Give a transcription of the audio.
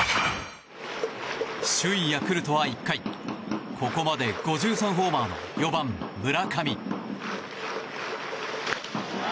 首位ヤクルトは１回ここまで５３ホーマーの４番、村上。